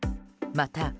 また。